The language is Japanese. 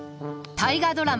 大河ドラマ